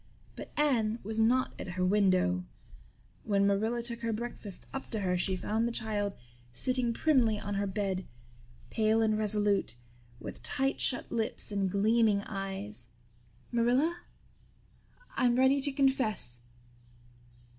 But Anne was not at her window. When Marilla took her breakfast up to her she found the child sitting primly on her bed, pale and resolute, with tight shut lips and gleaming eyes. "Marilla, I'm ready to confess."